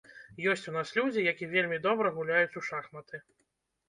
Ёсць у нас людзі, які вельмі добра гуляюць у шахматы.